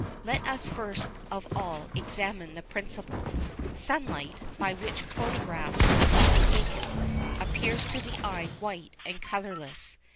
Let us first of all examine the principle. Sunlight, by which photographs are usually taken, appears to the eye white and colourless.